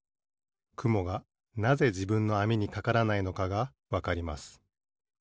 くもがなぜじぶんのあみにかからないのかがわかります。